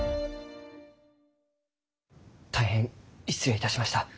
大変失礼いたしました。